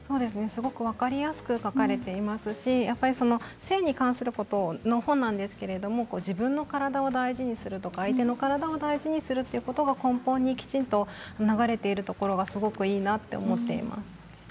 すごく分かりやすく描かれていますし性に関することの本なんですけれど自分の体を大事にするとか相手の体を大事にするということが根本に流れているところがすごくいいなと思っています。